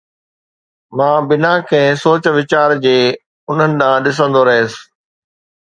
مان بنا ڪنهن سوچ ويچار جي انهن ڏانهن ڏسندو رهيس